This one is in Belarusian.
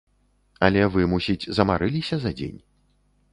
Але вы, мусіць, замарыліся за дзень?